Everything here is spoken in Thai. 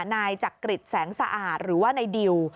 นายจักริจแสงสะอาดหรือว่าในดิว